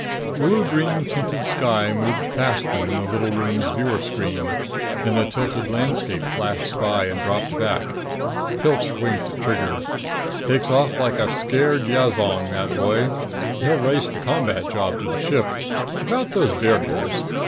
Blue green tinted sky moved past them in the little room's viewer screen; then a tilted landscape flashed by and dropped back. Pilch winked at Trigger. "Takes off like a scared yazong, that boy! He'll race the combat job to the ship. About those barriers.